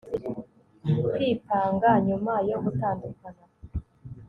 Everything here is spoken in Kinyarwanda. Kwipanga nyuma yo gutandukana